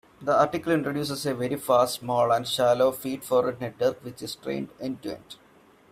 The article introduces a very fast, small, and shallow feed-forward network which is trained end-to-end.